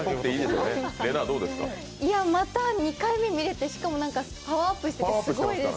また２回目見れて、またパワーアップしてすごいです。